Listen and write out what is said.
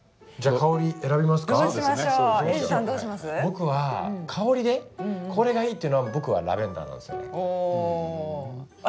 香りでこれがいいっていうのは僕はラベンダーなんですよね。